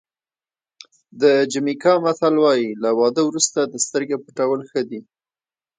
د جمیکا متل وایي له واده وروسته د سترګې پټول ښه دي.